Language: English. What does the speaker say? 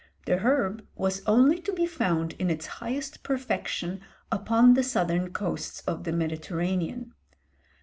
The herb was only to be found in its highest perfection upon the southern coasts of the Mediterranean.